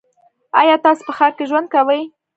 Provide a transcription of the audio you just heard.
ایا تاسو په ښار کې ژوند کوی؟